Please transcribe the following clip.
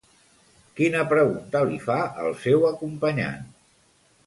Quina pregunta li fa al seu acompanyant?